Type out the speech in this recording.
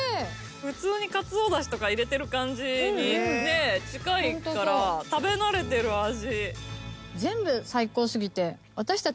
普通にかつおだしとか入れてる感じに近いから食べ慣れてる味。